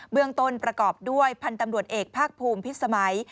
เรื่องต้นประกอบด้วยพันธุ์ตำรวจเอกภาคภูมิพิษสมัย